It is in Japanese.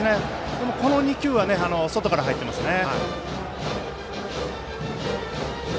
この２球は外から入っていますね。